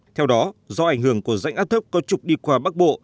theo đó do ảnh hưởng của rãnh áp thấp có trục đi qua bắc bộ